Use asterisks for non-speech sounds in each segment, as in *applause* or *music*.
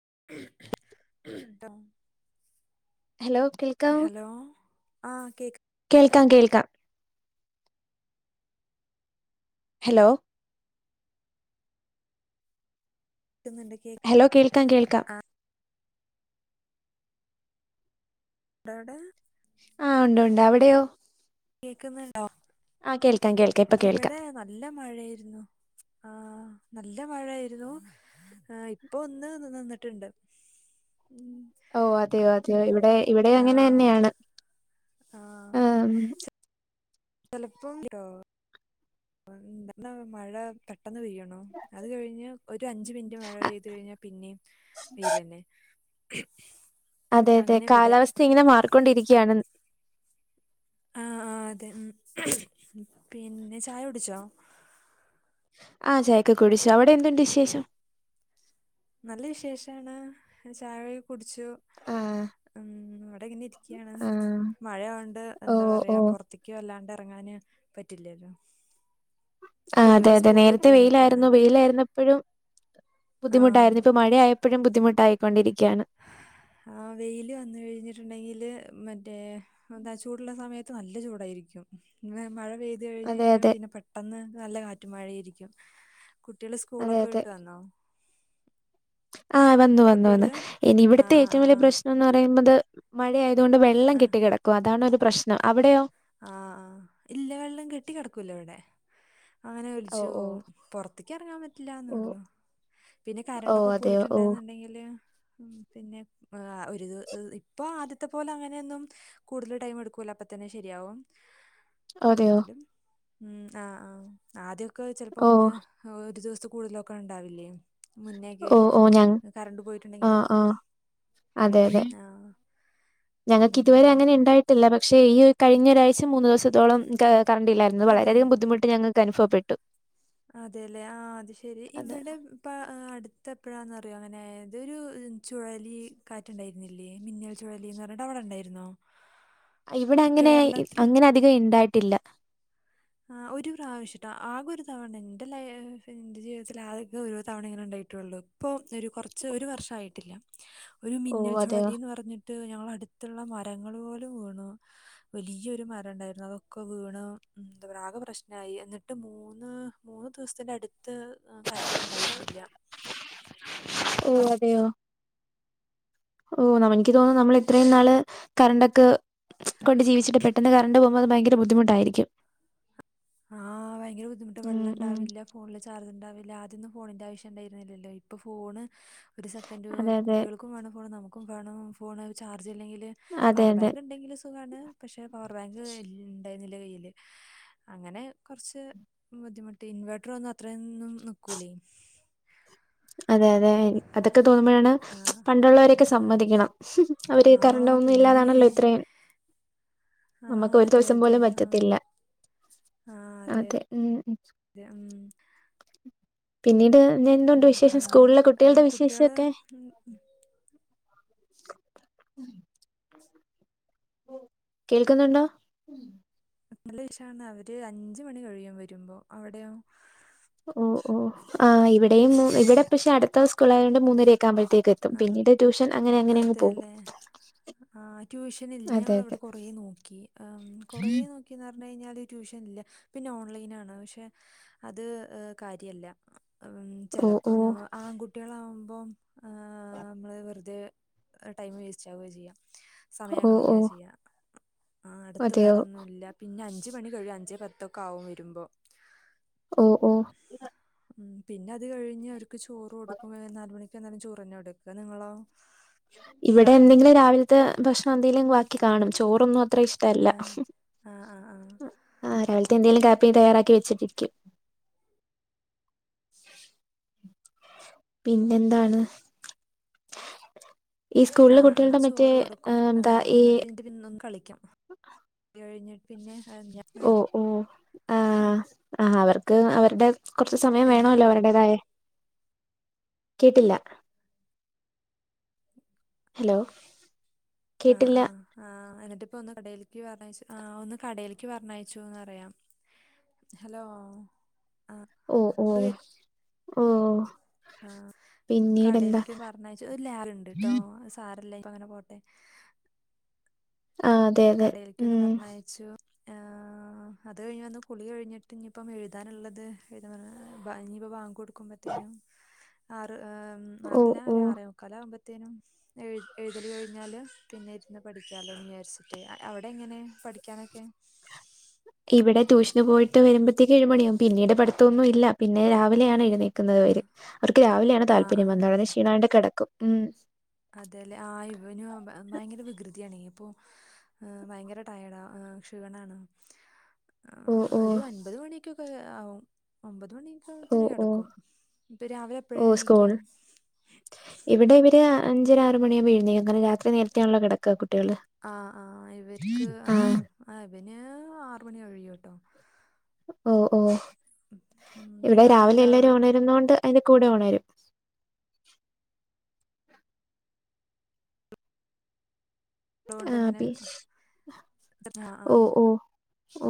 *inaudible* Hello കേൾക്കാവോ hello ആഹ് കേൾക്കാം കേൾക്കാം ഹലോ കേക്കുന്നുണ്ട് കേ ഹലോ കേൾക്കാം കേൾക്കാ ആ എടെ *unintelligible* ആഹ ഉണ്ട് ഉണ്ട് അവിടെയോ കേക്ക്ന്ന് ആഹ് കേൾക്കാം കേൾക്കാം ഇപ്പ കേൾക്കാം മാഴേര്ന്നു ആഹ് ന്നല്ലമഴായിരുന്നു ആ ഇപ്പൊ ഒന്ന് നിന്ന്ട്ട് ണ്ട് ഓ അതെയോ അതെയോ ഇവിടെ ഇവിടെ അങ്ങനെ ആഹ് ന്നെയാണ് ഏമ് ചെലപ്പോം *unintelligible* ന്നല്ല മഴ പെട്ട പെട്ടെന്ന് പെയ്യണോ അത് കഴിഞ്ഞ് ഒര് അഞ്ച് മിൻറ്റ് മഴ അ- പെയ്ത് കഴിഞ്ഞാ പിന്നേം വെയ്ലെനെ *unintelligible* അതെ അതെ കാലാവസ്ഥ ഇങ്ങനെ മാറിക്കൊണ്ടിരിക്യാണ് ആ അതെ ഉ *unintelligible* പിന്നെ ചായുടിച്ചോ ആഹ ചായക്കെ കുടിച്ചു അവടെ എന്തുണ്ട് വിശേഷം നല്ല വിശേഷാണ് ചായൊ കുടിച്ചു ആ ഉ ഇവടെ ഇങ്ങനെ ഇരിക്ക്യാണ് ആ മഴയൊണ്ട് ഓ എന്താ ഓ പറയാ പൊറത്തിക്ക്‌ വല്ലാണ്ട് എറങ്ങാന് പറ്റില്ലല്ലോ ആ അതെ കുട്ടികള് അതെ സ്കൂള് വിട്ട് നേരത്തെ വന്നിക്കാണ്. വെയ്ലാര്ന്നു വെയ്ലാര്ന്നപ്പഴും ആഹ് ബുദ്ധിമുട്ടായ്രുന്നു ഇപ്പ മഴയാ അപ്പഴും ബുദ്ധിമുട്ടായിക്കൊണ്ടിരിക്ക ആ വെയ്ല് വന്ന്കഴിഞ്ഞിട്ട്ണ്ടെങ്കില് മറ്റേ എന്താ ചൂട്ള്ള സമയത്ത് ത്തുന്നല്ല ചൂടായിരിക്കും ഇങ്ങനെ മഴ പെയ്ത് അതെ കഴിഞ്ഞഴ്ഞ്ഞാ അതെ പിന്നെ പെട്ടെന്ന് ന്നല്ല കാറ്റും മഴേരിക്കും കുട്ടേള് അതെ സ്കൂളൊക്കെ അതെ വിട്ടു വന്നോ ആഹ് വന്നു വന്നു വന്നു കുട്ടികള് ഇനി ഇവ്ട്ത്തെ ആഹ് ഏറ്റവും വലിയ ആഹ് പ്രശ്നം എന്ന് പറയുന്നത് മഴയാ തുകൊണ്ട് വെള്ളം കെട്ടി കെടക്കും അതാണ് ഒരു പ്രശ്നം അവിടെയോ ആഹ ഇല്ല വെള്ളം കെട്ടി കെടക്കൂല ഇവടെ അങ്ങനെ ഓ ഓ ഒലിച്ചുപോവും പൊറത്തി‌ക്കെറങ്ങാൻ ഓ പറ്റ്ലാന്നൊള്ളു പിന്നെ ഓ കരണ്ടൊക്കെ അതെയോ പോയിറ്റ്ണ്ട് ഓ ന്ന് ണ്ടെങ്കില് പിനെ ഇപ്പാ ഒര് ഇപ്പൊ ആദ്യത്തെ പോലെ അങ്ങനെയൊന്നും കൂടുതല് ടൈം എടുക്കൂല അപ്പ തന്നെ ശെരിയാവും അതെയോ ഉം ആഹ് ആ ആത്യോക്കെ ചെൽപ്പോ ഓ ഒന്ന് ഒരു ദിവസത്തെ കൂടുതലൊക്കെ ഇണ്ടാവില്ലേ മുന്നേ‌ക്കെ ഓ ഓ ഞ കരണ്ട് പോയിട്ടുണ്ടെങ്കിലും ആഹ് ആഹ് അതെ അതെ ആഹ ഞങ്ങൾക്ക് ഇതുവരെ അങ്ങനെ ഇണ്ടായിട്ടില്ല പക്ഷെ ഈ കഴിഞ്ഞ ഒരാഴ്ച മൂന്ന് ദിവസത്തോളം ക കറണ്ടില്ലായ്രുന്നു അതെ വളരെയതികം ബുദ്ധിമുട്ട് ഞങ്ങക്ക് അനുഫവപ്പെട്ടു അതെല്ലേ ആ അത് ശെരി അതെ ഇവടിപ്പ അടു അടുത്തെപ്പഴാന്നറിയോ അങ്ങനായത് ഒരു ചുഴലി കാറ്റ്ണ്ടായ്ര്ന്നില്ലേ മിന്നൽ ചുഴലിന്ന് പറഞ്ഞിട്ട് അവടെ ഇണ്ടായ്ര്ന്നോ ഇവിടെ അങ്ങനെ അങ്ങനെ അധികം ഇണ്ടായിട്ടില്ല ആ ഒരു പ്രാവശ്യട്ടോ ആകൊരു തവണെ ന്റെ ലയേ എന്റെ ജീവിതത്തിൽ ആതൊക്കെ ഒരു തവണ ഇങ്ങനെ ഇണ്ടായി ട്ടുള്ളു ഇപ്പൊ ഒരു കൊറച്ച് ഒരു വർഷായിട്ടില്ല ഒരു ഓ മിന്നൽ അതെയോ ചുഴലിന്ന് പർഞ്ഞിട്ട് ഞങ്ങളടുത്ത് ത്തുള്ള മരങ്ങൾ പോലും വീണു വലിയ്യൊരു മരണ്ടായ്രുന്നു അതൊക്കെ വീണു എന്താ പറയാ ആകെ പ്രേശ് നായി എന്നിട്ട് മൂന്ന് മൂന്ന് ദിവസ്ത്തിന്റെ അടുത്ത് കരണ്ട് ഇണ്ടായിരുന്നില്ല *inaudible* ഓ അതെയോ ഓ ന്നമെനിക്ക് തോന്നുനു ന്നമ്ളിത്രേം ന്നാള് കറണ്ടൊക്കെ കൊണ്ട് ജീവിച്ചിട്ട് പെട്ടെന്ന് കറണ്ട് പോകുമ്പോ അത് ഭയങ്കര ബുദ്ധിമുട്ടായിരിക്കും ആഹ് വയങ്കര ബുദ്ധിമുട്ട ഉം ഉം വെള്ളണ്ടാവില്ല ഫോണില് ചാർജ് ണ്ടാവി ല്ല ആത്യോന്നും ഫോണിന്റെ ആവശ്യം ഇണ്ടായിരുന്നില്ലല്ലോ ഇപ്പ ഫോണ് ഒരു സെക്കൻഡ് അതെ പോലും അതെ കുട്ട്യോൾക്കും വേണം ഫോണ് ന്നമു ക്കുംവേണം ഫോണെള് ചാർജില്ലെങ്കില് അതെ പവർ അതെ ബാങ്ക് ഇണ്ടെങ്കില് സുഗാണ് പക്ഷെ പവർ ബാങ്ക് ഇണ്ടായ്ര്ന്നില്ല കയ്യില് അങ്ങനെ, കൊർച്ച് ബുദ്ധിമുട്ടേനി. ഇൻവേർട്ടർ ഒന്നും അത്രൊന്നും നിക്കൂലെയ്. *inaudible* അതെ അതെ, അതൊക്കെ തോന്നുമ്പോഴാണ് ആ പണ്ടുള്ളവരെയൊക്കെ ആ സമ്മതിക്കണം ഹ് ഹും. അവര് ആ കറണ്ട് ഒന്നും ഇല്ലാതാണല്ലോ പിന്നെ ഇത്രയും ആഹ് നമുക്ക് ഒരു അതെ ദിവസം അതെ പോലും പ ആഹ് പറ്റത്തില്ല. അതെ. ഉം *unintelligible* പിന്നീട് ഞെ ഉം എന്തുണ്ട് വിശേഷം, പിന്നെ സ്കൂളിലെ ഏഹ് കുട്ടികളുടെ കുട്ടികള് വിശേഷൊക്കെ? ഉം ഉം, *unintelligible* കേൾക്കുന്നുണ്ടോ? നല്ല *unintelligible* അവര് അഞ്ച് മണി കഴിയും വരുമ്പോ, അവിടെയോ? ഓ ഓ ആ ഇവിടെയും, ഇവിടെ പക്ഷെ അടുത്ത സ്കൂളായോണ്ട് മൂന്നര ക്കാമ്പഴത്തേക്ക് എത്തും. ആഹ് പിന്നീട് ട്യൂഷൻ അങ്ങനെ അങ്ങനെ അങ്ങ് പോകും. അതെല്ലേ ആ ട്യൂഷൻ ഇല്ല. അതെ ഞങ്ങളവിടെ അതെ കൊറേ നോക്കി ഏം കൊറേ നോക്കിന്നർഞ്ഞ ഞ്ഞഴിഞ്ഞാല് ട്യൂഷൻ ഇല്ല പിന്നെ ഓൺലൈനാണ് പക്ഷേ, അത് കാര്യല്ല. ഉ ഓ ചെലപ്പോ ഓ ഞ ആൺകുട്ട്യളാവുമ്പോ *inaudible* വെറുതേ ടൈമ് വേസ്റ്റാവ ചെയ്യ, സമയം ഓ കളയ ഓ ചെയ്യ ആ അടുത്ത് അതെയോ വേറൊന്നുല്ല. പിന്നെ അഞ്ച് മണി കഴിയും, അഞ്ചേ പത്തൊക്കെ ആവും വരുമ്പോ ഓ ഓ പിന്നെ അത് കഴിഞ്ഞ് അവർക്ക് ചോറ് കൊടുക്കും, നാല് മണിക്ക് വന്നാലും ചോറെന്നെ കൊടുക്ക നിങ്ങളോ? ഇവിടെ എന്തെങ്കിലും രാവിലത്തെ ഭക്ഷണം എന്തേലും ബാക്കി കാണും. ചോറൊന്നും അത്ര ഇഷ്ടല്ല ആഹ് ഹ് ആഹ് ആഹ് ആഹ് ഹും. ആ രാവിൽ എന്തേലും കാപ്പി തയ്യാറാക്കി വെച്ചിട്ടിരിക്കും. പിന്നെന്താണ്? ഈ ആ സ്കൂളിലെ ആ കുട്ടികളുടെ മറ്റേ ചോറ് ആ, കൊടുക്കും. ഏ എന്താ ഈ അതു കഴിഞ്ഞിട്ട് *unintelligible* കളി *inaudible* കഴിഞ്ഞി പിന്നെ *unintelligible* ആ ആ അവർക്ക് അവരുടെ കൊറച്ച് സമയം എന്താ വേണല്ലോ അവരുടേതായെ കേട്ടില്ല. ഹലോ ആ കേട്ടില്ല ആ ആ എന്നിട്ട്പ്പൊ ഒന്ന് കടയിൽക്ക് പറഞ്ഞയച്ച് ആ ഒന്ന് കടയിൽക്ക് പറഞ്ഞണയച്ചുന്ന് പറയ ഹലോ ആഹ് ഓ ഓ ഓ ആ പിന്നീടെന്താ കടേൽക്ക് പറഞ്ഞയച്ച്, ഒര് ലാഗ്ണ്ട്ട്ടോ അഅ് സാരല്ല ഇപ്പങ്ങനെ പോട്ടെ. ആഹ് അതെ അതെ കടയിൽക്കൊന്ന് ഉം പറഞ്ഞയച്ചു ഏ... അത് കഴിഞ്ഞ് വന്ന് കുളി കഴിഞ്ഞിട്ട് ഇനിയിപ്പം എഴുതാനുള്ളത് ഇനിയിപ്പോ ബാങ്കൊട് ബത്തേനും ആറ് ഏ ഓ ആളല്ല, ഒര് ഓ ആറേ മുക്കലാവ്മ്പ നും എഴ് എഴുതൽ കഴിഞ്ഞാൽ പിന്നെ ഇരുന്ന് പഠിക്കാലോന്ന് വിചാരിച്ച് അ അവിടെ എങ്ങനെ പഠിക്കാനൊക്കെ? ഇവിടെ ട്യൂഷന് പോയിട്ട് വരുമ്പഴത്തേക്ക് ഏഴ് മണിയാകും, പിന്നീട് പഠിത്തൊന്നും ഇല്ല, പിന്നെ രാവിലെയാണ് എഴുന്നേൽ വര്. അവർക്ക് രാവിലെയാണ് ആ താത്പര്യം. വന്ന ഉടനെ ക്ഷീണായിട്ട് കടക്കും. ഉം. അതെലെ. ആ ഇവനു ഭയങ്കര വികൃതിയാണേ ഇപ്പോ ഭയങ്കര ടയേർഡാ ക്ഷീണാണ്. ഓ ഓ ഒരു ഒമ്പത് മണിക്കൊക്കെ ആവും. ഒമ്പ ഓ ഓ ത്തിനാകടക്കും. ഇപ്പൊ രാവിലെ എപ്പഴാ ഓ സ്കൂൾ എണീക്കാ? ഇവിടെ ഇവര് അഞ്ചര ആറ് മണിയാവുമ്പൊ എഴുന്നേൽക്കും. കാരണം രാത്രി നേരത്തെയാണല്ലോ കെടക്ക ആ ആ ഇവർക്ക് ആ ആഹ് ആ ഇവന്... ആറ് മണി കഴുയുട്ടോ. ഓ ഓ ഉം, പിന്നെ ഇവിടെ താഴെ രാവിലെ എല്ലരും ഒരാളുള്ളതുകൊണ്ട് ഒണരുന്നോണ്ട് അതിന്റെ കൂടെ ഒണരും. ആഹ് ട്ടൊണ്ട്ങ്ങനെ പി ആ ആ ഓ ഓ ഓ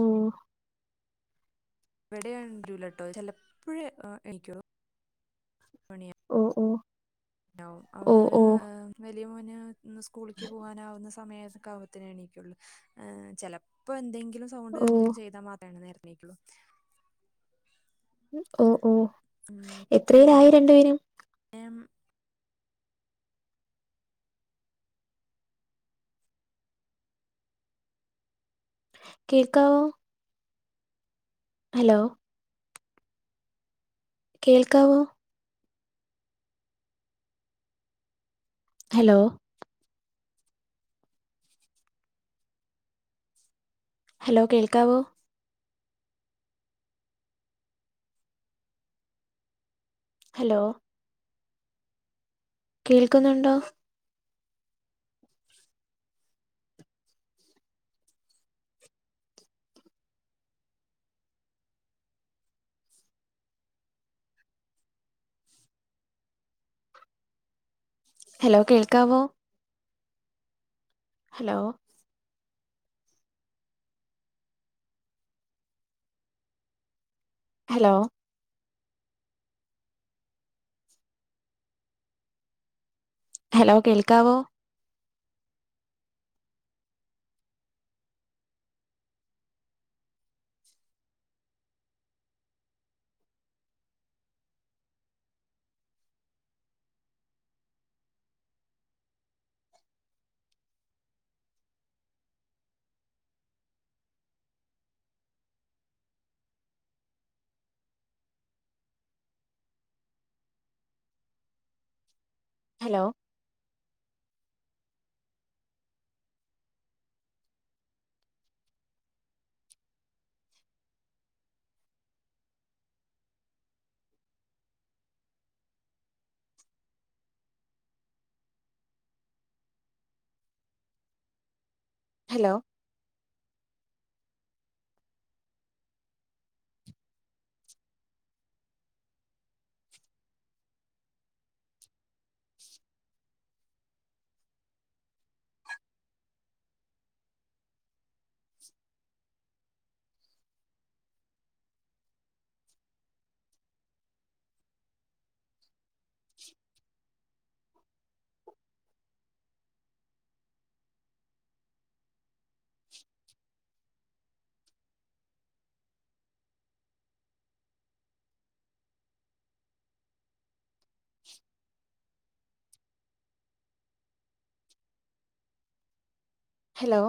വിടെയൊണരൂലട്ടോ ചിലപ്പോഴേ എണിക്കോ ഓ ഓ അവന് ഓ വലിയ മോന് സ്കൂളിക്ക് പോകാനാവുന്ന സ സമയക്കാവുമ്പത്തിനേ എണീക്കുള്ളൂ ചെലപ്പോ എന്തെങ്കിലും സൗണ്ട് എന്തെലും ചെയ്താ മാത്രാണ് നേരത്തെ ണീക്കൊള്ളു ഓ ഓ എത്രേലായി രണ്ടു പേരും എം കേക്കാവോ? ഹലോ കേൾക്കാവോ? ഹലോ ഹലോ കേൾക്കാവോ? ഹലോ കേൾക്കുന്നുണ്ടോ? ഹലോ കേൾക്കാവോ? ഹലോ ഹലോ ഹലോ കേൾക്കാവോ? Hello hello *inaudible* *inaudible* hello